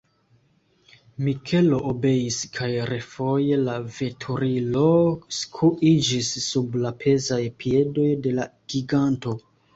Mikelo obeis kaj refoje la veturilo skuiĝis sub la pezaj piedoj de la giganto.